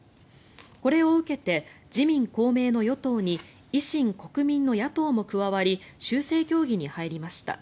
これを受けて自民・公明の与党に維新、国民の野党も加わり修正協議に入りました。